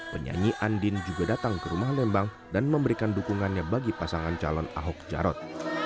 penyanyi andin juga datang ke rumah lembang dan memberikan dukungannya bagi pasangan calon ahok jarot